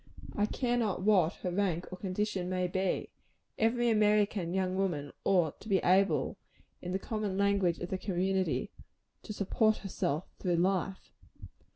I care not what her rank or condition may be; every American young woman ought to be able, in the common language of the community; to support herself through life.